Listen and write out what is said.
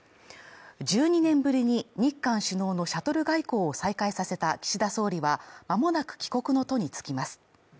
１２年ぶりに日韓首脳のシャトル外交を再開させた岸田総理は、まもなく帰国の途につきます。